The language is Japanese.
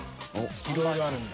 いろいろあるんだ。